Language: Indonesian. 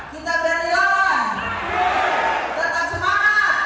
kita biar dilawan